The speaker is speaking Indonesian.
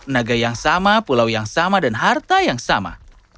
naga yang sama pulau yang sama dan harta yang sama